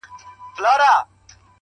هڅه د فرصتونو دروازې پرانیزي!